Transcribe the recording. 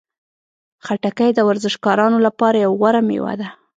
خټکی د ورزشکارانو لپاره یوه غوره میوه ده.